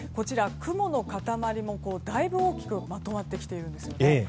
雲の塊もだいぶ大きくまとまってきているんですね。